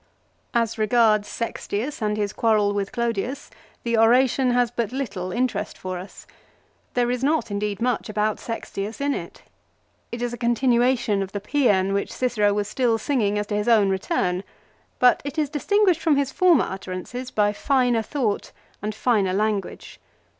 As regards Sextius and his quarrel with Clodius, the oration has but little interest for us. There is not indeed much ahout Sextius in it. It is a continuation of the psean which Cicero was still singing as to his own return, but it is distinguished from his former utterances by finer thought and finer language.